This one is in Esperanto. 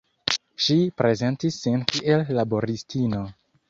Ŝi prezentis sin kiel laboristino.